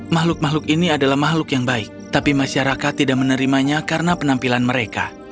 makhluk makhluk ini adalah makhluk yang baik tapi masyarakat tidak menerimanya karena penampilan mereka